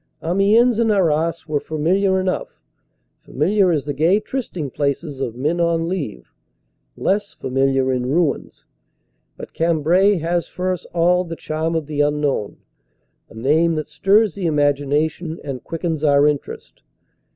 Amiens and Arras were familiar enough; familiar as the gay trysting places of men on leave; less familiar in ruins. But Cambrai has for us all the charm of the unknown, a name that stirs the imagination and quickens our interest.